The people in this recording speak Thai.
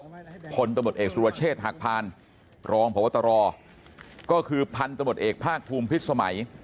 โจ๊กผลตมติเอกสุรเชษฐ์หักพานรองผวตรก็คือพันตมติเอกภาคภูมิพิษสมัย